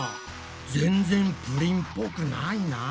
ぜんぜんプリンっぽくないな。